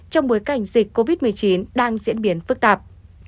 trong bối cảnh dịch covid một mươi chín đang diễn biến phức tạp